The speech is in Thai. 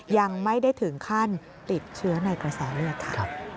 ยังไม่ได้ถึงขั้นติดเชื้อในกระแสเลือดค่ะ